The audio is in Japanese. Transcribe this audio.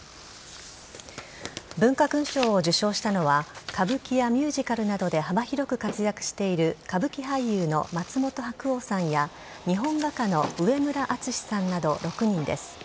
文化勲章を受章したのは歌舞伎やミュージカルなどで幅広く活躍している歌舞伎俳優の松本白鸚さんや日本画家の上村淳之さんなど６人です。